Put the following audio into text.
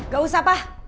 gak usah pak